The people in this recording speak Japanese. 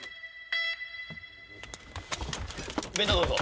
弁当どうぞ。